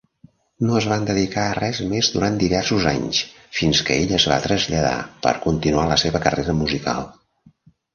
No es van dedicar a res més durant diversos anys, fins que ella es va traslladar per continuar la seva carrera musical.